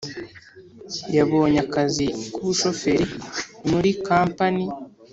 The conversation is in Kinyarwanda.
yabonye akazi ku bushoferi muri kampani